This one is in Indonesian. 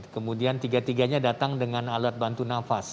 kemudian tiga tiganya datang dengan alat bantu nafas